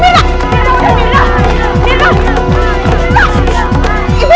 minah udah minah minah